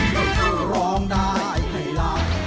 เพื่อร้องได้ให้ร้าย